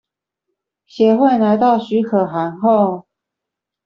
協會拿到許可函後